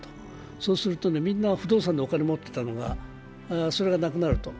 そうすると、みんな、不動産でお金持ってたのがそれがなくなると。